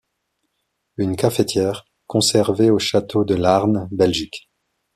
Une cafetière, conservée au Château de Laarne, Belgique.